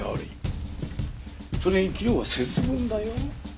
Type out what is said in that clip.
それに昨日は節分だよ。